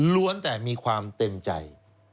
ล้วนแต่มีความเต็มใจ